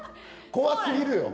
怖すぎるよ！